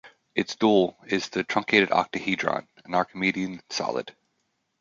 Its dual is the truncated octahedron, an Archimedean solid.